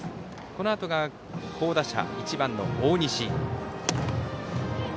このあとが、好打者、１番の大西。